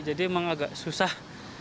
jadi memang agak susah